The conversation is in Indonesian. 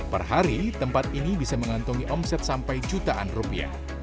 perhari tempat ini bisa mengantungi omset sampai jutaan rupiah